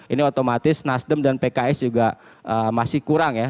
ini otomatis nasdem dan pks juga masih kurang ya